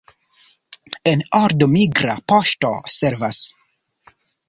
En Old migra poŝto servas.